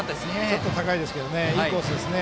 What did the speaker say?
ちょっと高いですけどいいコースですね。